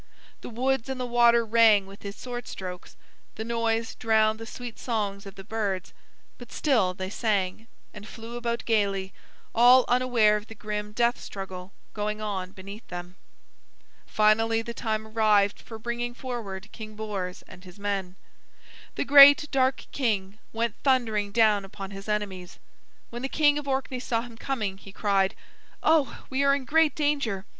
The woods and the water rang with his sword strokes. The noise drowned the sweet songs of the birds, but still they sang, and flew about gaily, all unaware of the grim death struggle going on beneath them. Finally the time arrived for bringing forward King Bors and his men. The great dark king went thundering down upon his enemies. When the King of Orkney saw him coming, he cried: "Oh, we are in great danger!